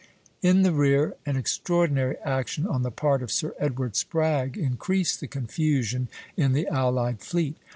In the rear an extraordinary action on the part of Sir Edward Spragge increased the confusion in the allied fleet.